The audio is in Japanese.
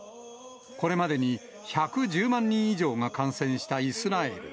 これまでに１１０万人以上が感染したイスラエル。